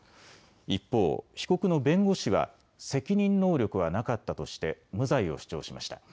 一方、被告の弁護士は責任能力はなかったとして無罪を主張しました。